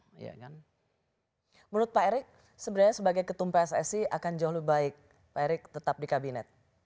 menurut pak erick sebenarnya sebagai ketum pssi akan jauh lebih baik pak erick tetap di kabinet